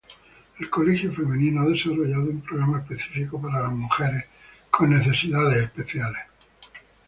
El colegio femenino ha desarrollado un programa específico para las mujeres con necesidades especiales.